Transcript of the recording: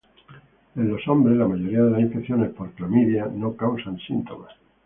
En los hombres, la mayoría de las infecciones por clamidia no causan síntomas.